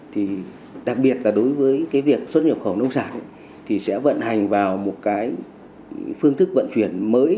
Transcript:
thì đặc biệt là đối với cái việc xuất nhập khẩu nông sản thì sẽ vận hành vào một cái phương thức vận chuyển mới